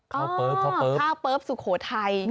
ข้าวเปิ๊บข้าวเปิ๊บสุโขทัย